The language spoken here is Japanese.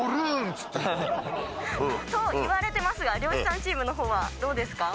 っつって。と言われてますが漁師さんチームのほうはどうですか？